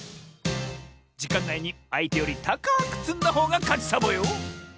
じかんないにあいてよりたかくつんだほうがかちサボよ！